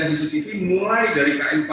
cctv mulai dari km empat puluh sembilan